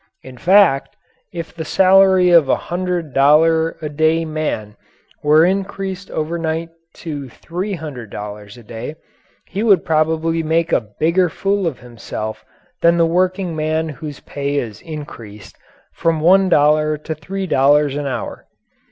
In fact, if the salary of a hundred dollar a day man were increased overnight to three hundred dollars a day he would probably make a bigger fool of himself than the working man whose pay is increased from one dollar to three dollars an hour.